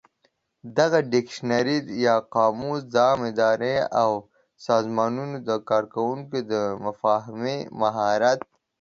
دغه ډکشنري یا قاموس د عامه ادارې او سازمانونو د کارکوونکو د مفاهمې مهارت